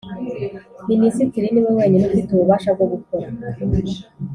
Minisitiri ni we wenyine ufite ububasha bwo gukora